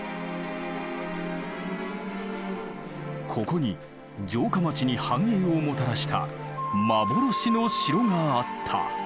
ここに城下町に繁栄をもたらした幻の城があった。